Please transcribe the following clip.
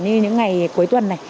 như những ngày cuối tuần này